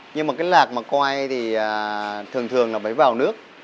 nhưng mà cái lạc mà quay thì thường thường là phải vào nước